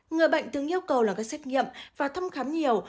người bệnh tương yêu cầu làm các xét nghiệm và thăm khám nhiều